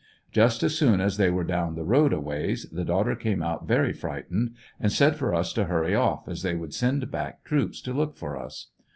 Just as soon as they were down the road a ways, the daughter came out very frightened and said for us to hurry off, as they would send back troops to look for us.